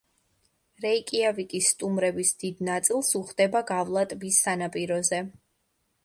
რეიკიავიკის სტუმრების დიდ ნაწილს უხდება გავლა ტბის სანაპიროზე.